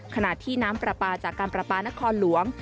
ขณะที่น้ำปลาปลาจากการประปานครหลวง